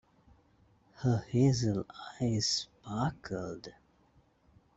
Her hazel eyes sparkled.